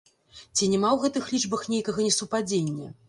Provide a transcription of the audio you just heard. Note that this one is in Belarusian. Ці няма у гэтых лічбах нейкага несупадзення?